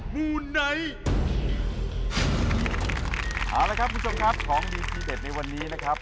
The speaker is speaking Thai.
เอาละครับคุณผู้ชมครับของดีทีเด็ดในวันนี้นะครับ